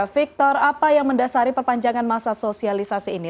victor apa yang mendasari perpanjangan masa sosialisasi ini